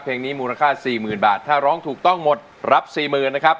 เพลงนี้มูลค่าสี่หมื่นบาทถ้าร้องถูกต้องหมดรับสี่หมื่นนะครับ